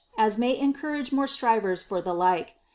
as may encourage more strivrrs for the like.